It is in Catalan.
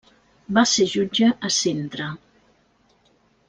Va ser jutge a Cintra.